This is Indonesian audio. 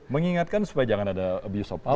mengingatkan supaya jangan ada abuse of powe